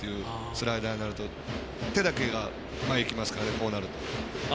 スライダーになると手だけが前にいきますからこうなると。